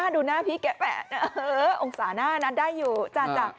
ดูหน้าพี่แกะแปะองศาหน้านั้นได้อยู่จ้ะ